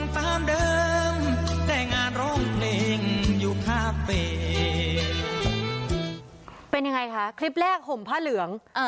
แต่งานโรงเพลงอยู่คาเฟย์เป็นยังไงคะคลิปแรกห่มผ้าเหลืองอ่า